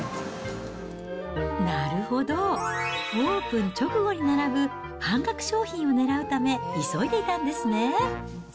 なるほど、オープン直後に並ぶ半額商品を狙うため、急いでいたんですね。